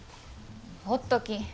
ほっとき。